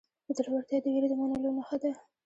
زړورتیا د وېرې د منلو نښه ده.